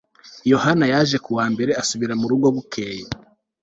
yohana yaje ku wa mbere asubira mu rugo bukeye